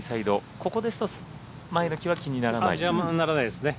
ここですと前の木は邪魔にならないですね。